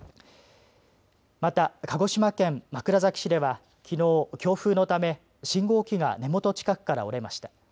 また、鹿児島県枕崎市ではきのう、強風のため信号機が根元近くから折れました。